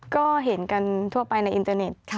ก็เห็นกันทั่วไปในอินเตอร์เน็ต